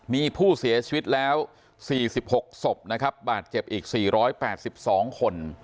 มีผู้เสียชีวิตแล้ว๔๖ศพนะครับบาดเจ็บอีก๔๘๒คน